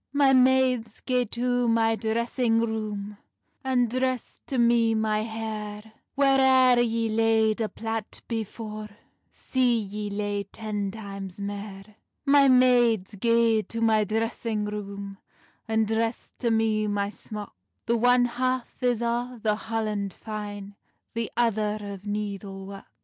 "My maides, gae to my dressing roome, And dress to me my hair; Whaireir yee laid a plait before, See yee lay ten times mair. "My maids, gae to my dressing room, And dress to me my smock; The one half is o the holland fine, The other o needle work."